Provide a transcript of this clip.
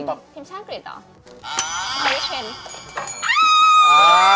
ทีมช่างกรีดหรอ